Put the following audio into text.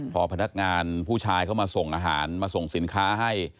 พอพนักงานผู้ชายเข้ามาส่งอาหารมาส่งสินค้าให้